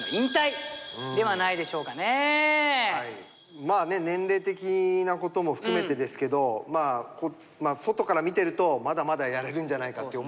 まあね年齢的なことも含めてですけど外から見てるとまだまだやれるんじゃないかって思いがね。